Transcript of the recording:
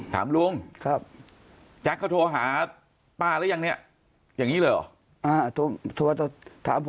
ถามลุงแจ็คเค้าโทรมาหาป้าหรือยังแบบนี้เลยเหรอ